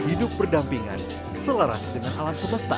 hidup berdampingan selaras dengan alam semesta